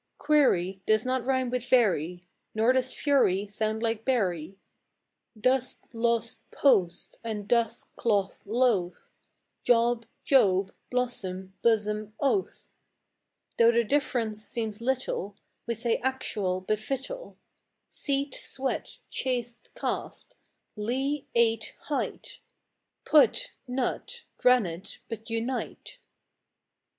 Query does not rime with very, Nor does fury sound like bury. Dost, lost, post and doth, cloth, loth; Job, Job, blossom, bosom, oath. Though the difference seems little, We say actual, but victual, Seat, sweat, chaste, caste; Leigh, eight, height; Put, nut; granite, but unite.